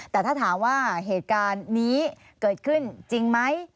แต่ถ้าถามว่าเหตุการณ์นี้เกิดขึ้นจริงไหม